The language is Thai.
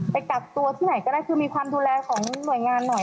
กักตัวที่ไหนก็ได้คือมีความดูแลของหน่วยงานหน่อย